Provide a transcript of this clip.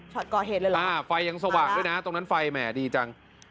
ก่อเหตุเลยเหรออ่าไฟยังสว่างด้วยนะตรงนั้นไฟแหม่ดีจัง